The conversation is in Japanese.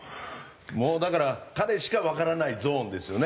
もうだから彼しかわからないゾーンですよね